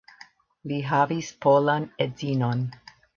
Li havis polan edzinon.